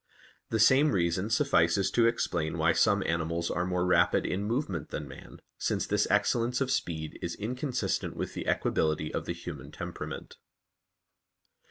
The same reason suffices to explain why some animals are more rapid in movement than man, since this excellence of speed is inconsistent with the equability of the human temperament.